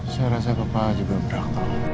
saya rasa papa aja berberak